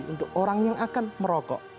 untuk orang yang akan merokok